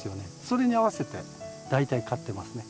それに合わせて大体刈ってますね。